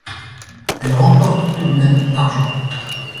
Elle remporte tout de même l'argent.